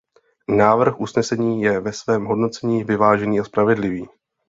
Návrh usnesení je ve svém hodnocení vyvážený a spravedlivý.